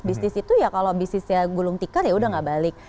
bisnis itu ya kalau bisnisnya gulung tikar ya udah gak balik